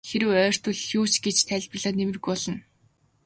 Хэрэв оройтвол юу ч гэж тайлбарлаад нэмэргүй болно.